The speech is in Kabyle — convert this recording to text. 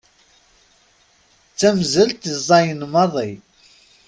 D tamzelt ẓẓayen maḍi.